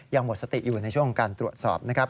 หมดสติอยู่ในช่วงการตรวจสอบนะครับ